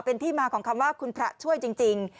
เป็นที่มาของคำว่าคุณพระช่วยจริง